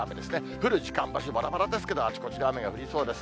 降る時間、場所もばらばらですけど、あちこちで雨が降りそうです。